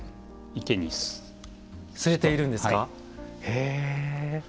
へえ。